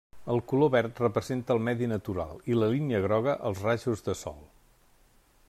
El color verd representa el medi natural i la línia groga els rajos de sol.